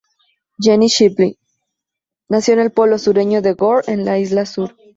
Jenny Shipley nació en el pueblo sureño de Gore en la Isla Sur.